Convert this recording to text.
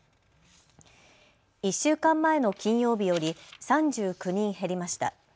１週間前の金曜日より３９人減りました。